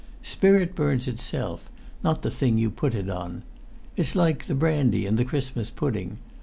Spirit burns itself, not the thing you put it on. It's like the brandy and the Christmas pudding.